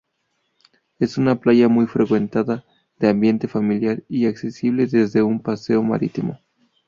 Es una playa muy frecuentada, de ambiente familiar y accesible desde un paseo marítimo.